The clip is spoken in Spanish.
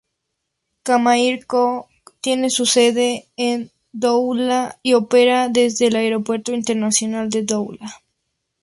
Camair-Co tiene su sede en Douala y opera desde el aeropuerto Internacional de Douala.